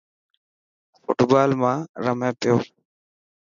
فوٽ بال مان رمي پيو.